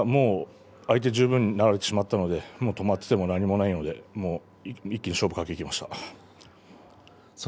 相手十分にされてしまったので止まっていてもしょうがないので一気に勝負をかけました。